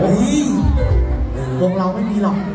โว้ยโรงเหล่าไม่ดีหรอก